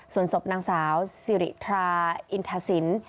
ส่วนศพนางสาวสิริทราอินทศิลป์